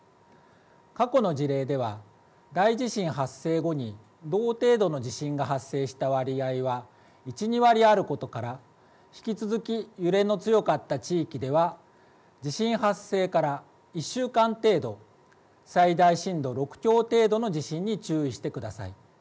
過去の事例では大地震発生後に同程度の地震が発生した割合は１、２割あることから引き続き揺れの強かった地域では地震発生から１週間程度最大震度６強程度の地震に注意してください。